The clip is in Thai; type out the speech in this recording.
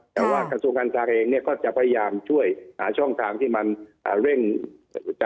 แต่ว่ากระทรวงการศักดิ์เองเนี่ยก็จะพยายามช่วยหาช่องทางที่มันเร่งจ่ายเงินให้กับพี่น้องประชาชนอยู่ด้วยอีกครั้งหนึ่งนะครับ